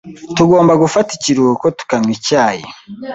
Tugomba gufata ikiruhuko tukanywa icyayi.